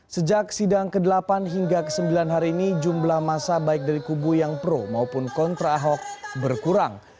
sejak sidang ke delapan hingga ke sembilan hari ini jumlah masa baik dari kubu yang pro maupun kontra ahok berkurang